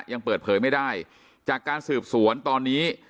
ยังเปิดเผยไม่ได้จากการสืบสวนตอนนี้